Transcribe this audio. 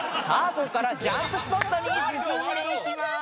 ここからジャンプスポットに進んでいきまーす。